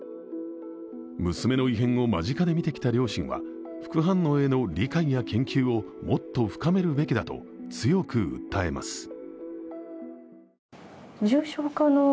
娘の異変を間近で見てきた両親は、副反応への理解や研究をもっと深めるべきだと強く訴えます。